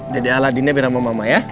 dede aladinnya biar sama mama ya